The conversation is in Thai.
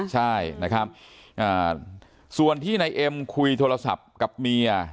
ใช่นะครับส่วนที่นายเอ็มคุยโทรศัพท์กับเมีย